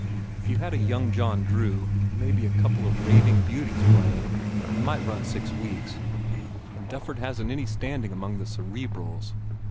If you had a young John Drew and a couple of raving beauties playing it might run six weeks. And Dufford hasn t any standing among the cerebrals.